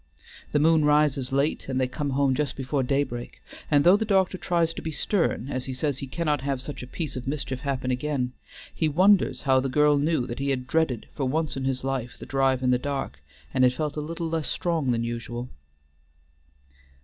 The moon rises late and they come home just before daybreak, and though the doctor tries to be stern as he says he cannot have such a piece of mischief happen again, he wonders how the girl knew that he had dreaded for once in his life the drive in the dark, and had felt a little less strong than usual.